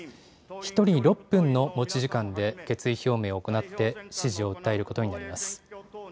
１人６分の持ち時間で決意表明を行って、支持を訴えることになります。